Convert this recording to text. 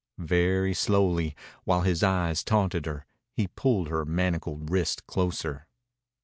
Very slowly, while his eyes taunted her, he pulled her manacled wrist closer.